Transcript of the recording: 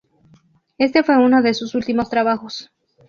Este fue uno de sus últimos trabajos.